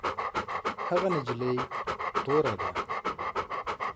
هغه نجلۍ توره ده